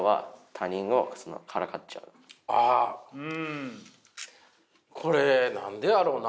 あこれ何でやろうな？